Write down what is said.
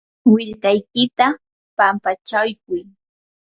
willkaykita pampachaykuy.